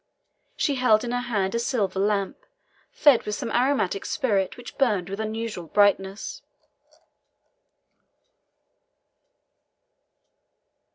She held in her hand a silver lamp, fed with some aromatic spirit, which burned with unusual brightness.